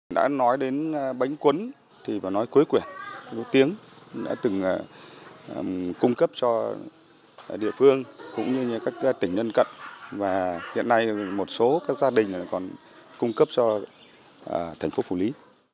đã nói đến bánh quấn thì và nói cuối quyển đôi tiếng đã từng cung cấp cho địa phương cũng như các tỉnh lân cận và hiện nay một số các gia đình còn cung cấp cho thành phố phủ lý